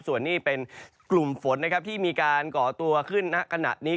ส่วนนี้เป็นกลุ่มฝนนะครับที่มีการก่อตัวขึ้นณขณะนี้